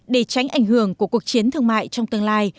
để tránh ảnh hưởng của cuộc chiến thương mại trong tương lai